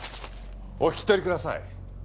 お引き取りください。